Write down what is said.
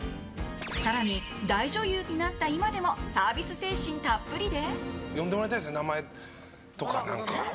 更に大女優になった今でもサービス精神たっぷりで。